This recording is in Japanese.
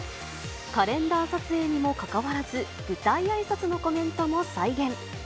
カレンダー撮影にもかかわらず、舞台あいさつのコメントも再現。